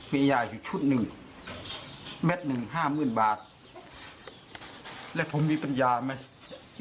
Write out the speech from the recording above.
มียาอีกชุดหนึ่งเม็ดหนึ่งห้าหมื่นบาทแล้วผมมีปัญญาไหม